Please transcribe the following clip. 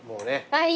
はい。